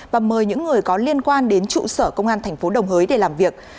và mời những người có liên quan đến trụ sở công an thành phố đồng hới để làm việc